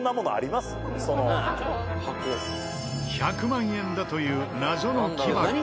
１００万円だという謎の木箱。